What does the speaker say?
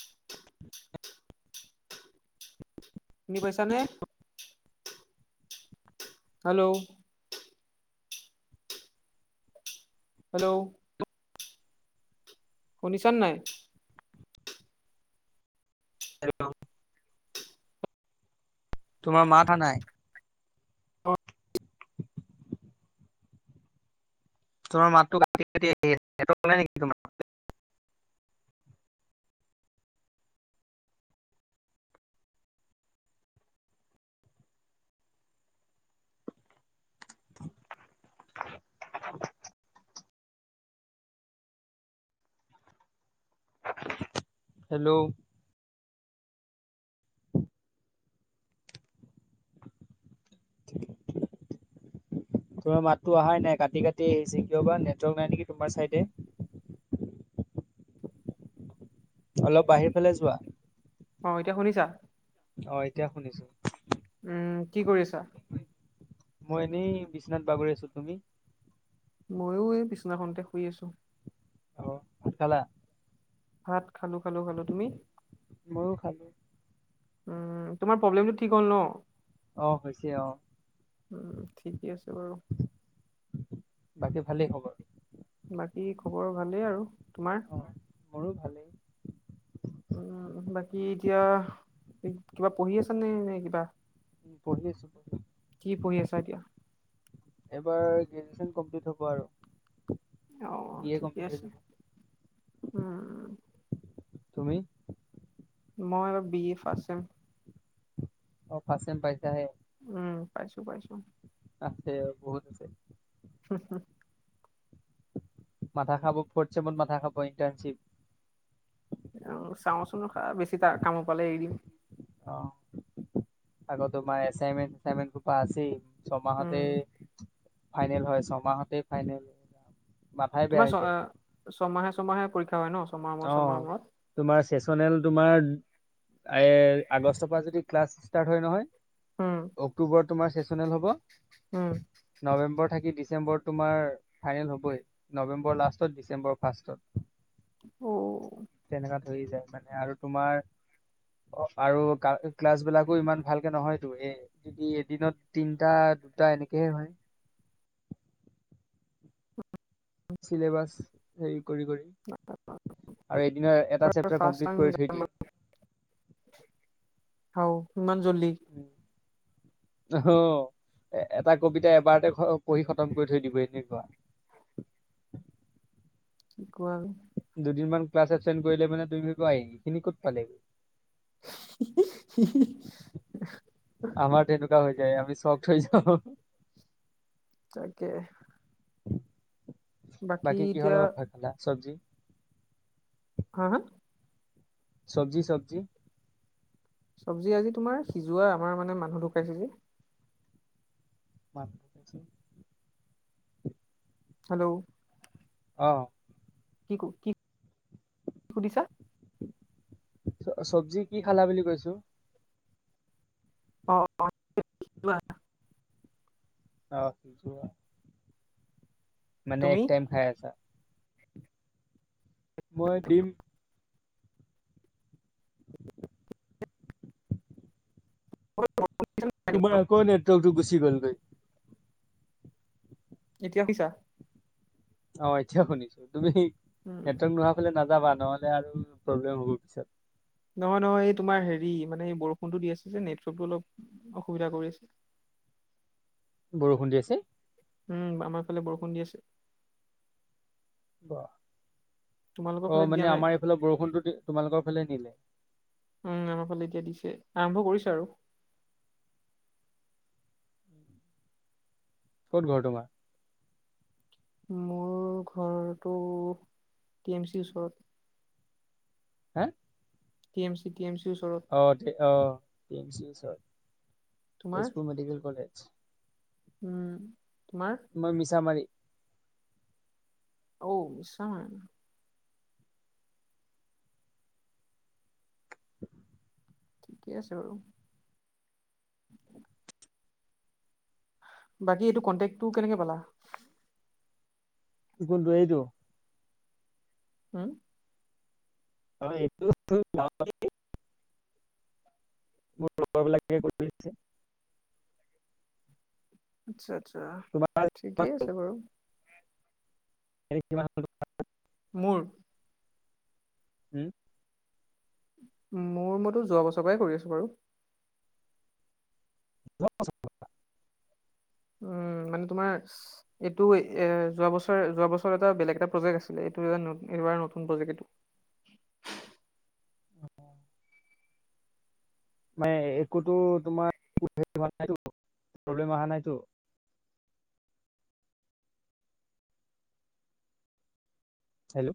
[inaudible] শুনি পাইছানে? Hello? Hello? শুনিছা ন নাই? হেল্ল? তোমাৰ মাত আহা নাই। তোমাৰ মাতটো কাটি কাটি আহি আছে, নেটৱৰ্ক নাই নেকি তোমাৰ? [inaudible] হেল্ল'? ঠিকে। [inaudible] তোমাৰ মাতটো আহাই নাই, কাটি - কাটি আহিছে কিয় বা নেটৱৰ্ক নাই নেকি তোমাৰ চাইডে? অলপ বাহিৰ ফালে যোৱা। অ' এতিয়া শুনিছা? অ এতিয়া শুনিছো। উম, কি কৰি আছা? মই এনেই বিছনাত বাগৰি আছো, তুমি? ময়ো এই বিছনাখনতে শুই আছো। অ', ভাতখালা? ভাত খালো খালো খালো, তুমি? মইয়ো খালো। উম, তোমাৰ প্ৰব্লেমটো ঠিক হ'ল ন'? অঁ হৈছে আও। উম ঠিকে আছে বাৰু। বাকী ভালেই খবৰ? বাকী খবৰ ভালেই আৰু তোমাৰ? অ মোৰো ভালে। উম, বাকী এতিয়া এ কিবা পঢ়ি আছ নে নে কিবা? উম পঢ়ি আছো পঢ়ি কি পঢ়ি আছা আছো। এতিয়া? এইবাৰ গ্ৰেজুৱেচন কমপ্লিট হ'ব আৰু। অ' বি এ ঠিকে কমপ্লিট হৈ আছে, যাব। উম। তুমি? মই বি এ ফাৰ্ষ্ট চেম। অ' ফাৰ্ষ্ট চেম পাইছাহে। উম পাইছো পাইছো। আছে আৰু বহুত আছে। হুম হুম। মাথা খাব, ফৰ্থ ছেমত মাথা খাব ইটাৰ্ণশিপ। অ' চাওঁচোন ৰখা বেছি তা কামোৰ পালে এৰি দিম। অ' আকৌ তোমাৰ এছাইনমেণ্ট ছেছাইনমেন্ট সোপা আছেই। ছয়মাহতে উম ফাইনেল হয়, ছয়মাহতে ফাইনেল। মাথাই বেয়া তোমাৰ হৈ ছ যায়। এ ছমাহে ছমাহে পৰীক্ষা হয় ন? ছমাহ মূৰত ছমাহ মূৰত? অ'। তোমাৰ চেচনেল তোমাৰ এ আগষ্টৰ পৰা যদি ক্লাছ ষ্টাৰ্ট হয় নহয় উম - অক্টোবৰত তোমাৰ চেচনেল হ'ব। উম। নৱেম্বৰ থাকি ডিচেম্বৰত তোমাৰ ফাইনেল হ'বই। নৱেম্বৰ লাষ্টত ডিচেম্বৰ ফাৰ্ষ্টত। অ'। তেনেকাত হৈ যায় মানে আৰু তোমাৰ - অ' আৰু কা ক্লাছ বিলাকো ইমান ভালকে নহয়তো সেয়ে - যদি এদিনত তিনটা দুটা এনেকে হয়। [unintelligible] চিলেবাছ হেৰি কৰি কৰি। আৰু এদিনৰ এটা চেপটাৰ ফাৰ্ষ্ট কমপ্লিট টাইম কৰি থৈ দিয়ে। হাও ইমান জলি? [unintelligible] অ' এটা কবিতা এবাৰতে পঢ়ি খতম কৰি থৈ দিব এনেকোৱা। কি কোৱা আৰু? দুদিনমান ক্লাছ এপচেণ্ট কৰিলে মানে তুমি নোপোৱাই এইখিনি ক'ত পালি? হিঁ হিঁ আমাৰ টো তেনেকুৱা হৈ যায় আমি চক্ হৈ যাওঁ। তাকে। বাকী কিহৰ লগত ভাত খালা চব্জি? হা হা? চব্জি চব্জি? চব্জি আজি তোমাৰ সিজুৱা আমাৰ মানে মানুহ ঢুকাইছে যে। মানুহ ঢুকাইছে। হেল্লো' অ। কি ক কি সুধিছা? চব্জি কি খালা বুলি কৈছো? অ' অ'। অ সিজুৱা। মানে এক তুমি টাইম খাই আছা? মই দিম। [unintelligible] [unintelligible] তোমাৰ আকৌ নেৱৰ্কটো গুচি গলগৈ। এতিয়া শুনিছা? অ এতিয়াও শুনিছো, তুমি উম নেটৱৰ্ক নোহোৱা ফাললে নাযাবা, নহ'লে আৰু প্ৰব্লেম হ'ব পিছত। নহয় নহয় এই তোমাৰ হেৰি মানে এই বৰষুণটো দি আছে যে নেটৱৰ্কটো অলপ অসুবিধা কৰি আছে। বৰষুণ দি আছে? উম আমাৰ ফালে বৰষুণ দি আছে। তোমালোকৰ অ ফালে দিয়া মানে নাই আমাৰ এইফালে বৰষুণতটো তোমালোকৰ ফালে নিলে উম আমাৰ ফালে এতিয়া দিছে আৰম্ভ কৰিছে আৰু ক'ত ঘৰ তোমাৰ মোৰ ঘৰটো টি এম চিৰ ওচৰত হা T M C T M চিৰ ওচৰত অ অ টি এম চি ওচৰত তোমাৰ তেজপুৰ মেডিকেল কলেজ উম তোমাৰ মই মিছা মাৰি অও মিছা মাৰি [unintelligible] ঠিকে আছে বাৰু বাকী এইটো কণ্টেক্টো কেনেকে পালা কোনটো এইটো হা [unintelligible] [unintelligible] আচ্ছা আচ্ছা তোমাৰ ঠিকেই আছে বাৰু [unintelligible] মোৰ উম। মোৰ মতো যোৱা বছৰ পৰাই কৰি আছোঁ বাৰু [unintelligible] উম মানে তোমাৰ এইটো এ যোৱা বছৰ যোৱা বছৰ এটা বেলেগ এটা প্ৰজেক্ট আছিলে এইটো এটা এইবাৰ নতুন প্ৰজেক্ট এইটো মানে একোতো তোমাৰ হ ন প্ৰব্লেম অ হা নাইতো হেল্লো